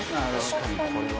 確かにこれは。